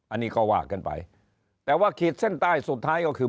อันนี้ก็ว่ากันไปแต่ว่าขีดเส้นใต้สุดท้ายก็คือ